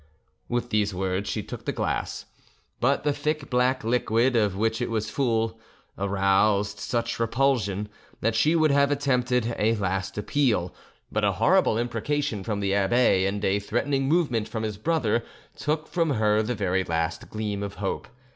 With these words she took the glass, but the thick black liquid of which it was full aroused such repulsion that she would have attempted a last appeal; but a horrible imprecation from the abbe and a threatening movement from his brother took from her the very last gleam of hope.